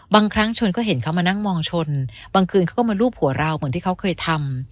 บางครั้งชนก็เห็นเขามานั่งมองชนบางคืนเขาก็มารูปหัวเราเหมือนที่เขาเคยทำ